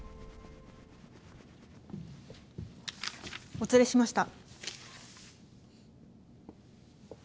お連れしました。